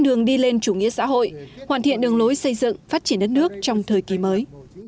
đường đi lên chủ nghĩa xã hội hoàn thiện đường lối xây dựng phát triển đất nước trong thời kỳ mới